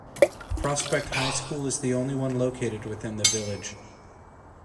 Prospect High School is the only one located within the village.